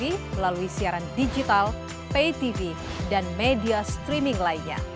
melalui siaran digital pay tv dan media streaming lainnya